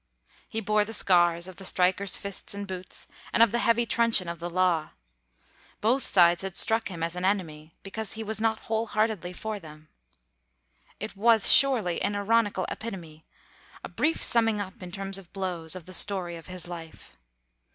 He bore the scars of the strikers' fists and boots, and of the heavy truncheon of the law. Both sides had struck him as an enemy, because he was not whole heartedly for them. It was, surely, an ironical epitome, a brief summing up in terms of blows, of the story of his life.